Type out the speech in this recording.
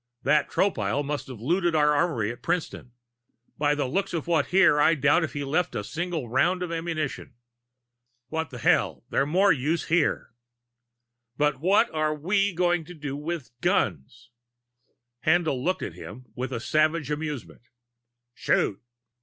"That Tropile must've looted our armory at Princeton. By the looks of what's here, I doubt if he left a single round of ammunition. What the hell, they're more use here!" "But what are we going to do with guns?" Haendl looked at him with savage amusement. "Shoot."